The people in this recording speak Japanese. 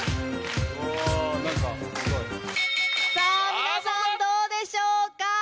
皆さんどうでしょうか？